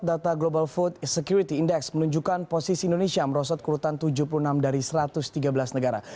data global food security index menunjukkan posisi indonesia merosot kurutan tujuh puluh enam dari satu ratus tiga belas negara